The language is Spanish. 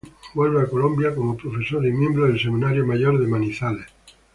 Vuelve a Colombia como profesor y miembro del seminario mayor de Manizales.